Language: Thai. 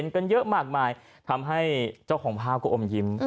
และทำให้เจ้าของภาพก็อมยิม